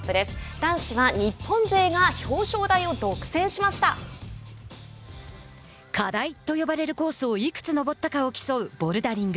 男子は日本勢が「課題」と呼ばれるコースをいくつ登ったかを競うボルダリング。